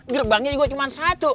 gerbangnya juga cuma satu